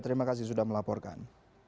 terima kasih sudah melaporkan